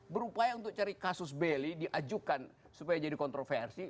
berupaya untuk cari kasus beli diajukan supaya jadi kontroversi